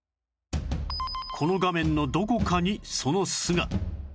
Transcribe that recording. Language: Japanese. この画面のどこかにその巣が